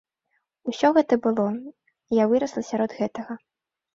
Усё гэта было, я вырасла сярод гэтага.